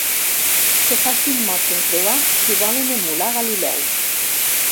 Que facin mots encreuats, si volen emular Galileu.